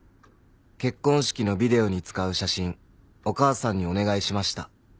「結婚式のビデオに使う写真お義母さんにお願いしました」